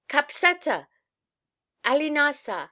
"_Capseta! Ali ne ca!